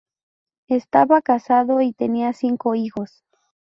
Estaba casado y tenía cinco hijos.